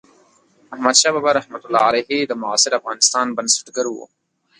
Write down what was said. احمدشاه بابا رحمة الله علیه د معاصر افغانستان بنسټګر و.